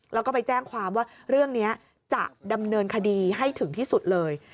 แล้วก็ไปแจ้งความว่าเรื่องนี้จะดำเนินคดีให้ถึงที่สุดเลย